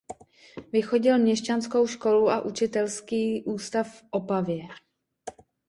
Vychodil měšťanskou školu a učitelský ústav v Opavě.